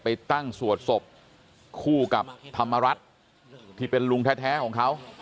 ไปตั้งสวดศพคู่กับธรรมรัฐที่เป็นลุงแท้ของเขา